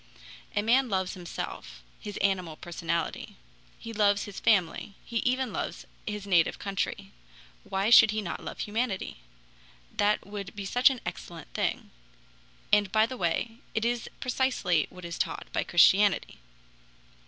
"A man loves himself (his animal personality), he loves his family, he even loves his native country. Why should he not love humanity? That would be such an excellent thing. And by the way, it is precisely what is taught by Christianity."